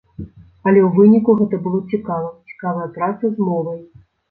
Але ў выніку гэта было цікава, цікавая праца з мовай.